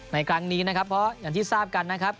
ในครั้งนี้นะครับเพราะอย่างที่ทราบกันนะครับ